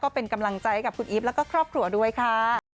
เป็นกำลังใจให้กับคุณอีฟแล้วก็ครอบครัวด้วยค่ะ